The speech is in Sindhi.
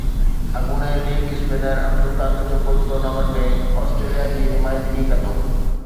اڳوڻي ليگ اسپنر عبدالقادر جو پٽ ٽورنامينٽ ۾ آسٽريليا جي نمائندگي ڪندو